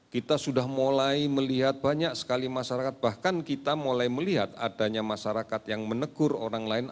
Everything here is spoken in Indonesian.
kita sudah mulai melihat banyak sekali masyarakat bahkan kita mulai melihat adanya masyarakat yang menegur orang lain